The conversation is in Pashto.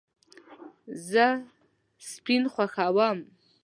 زه سپین خوښوم